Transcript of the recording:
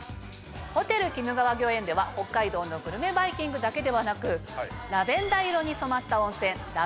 ホテル鬼怒川御苑では北海道のグルメバイキングだけではなくラベンダー色に染まった温泉。